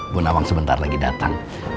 bidadari saya datang